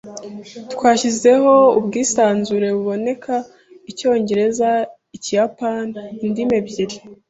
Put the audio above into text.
Twashizeho ubwisanzure buboneka Icyongereza-Ikiyapani indimi ebyiri.